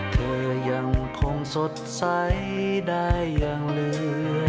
เธอยังคงสดใสได้อย่างลืม